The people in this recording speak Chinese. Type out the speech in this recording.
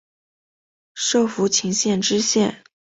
授福清县知县。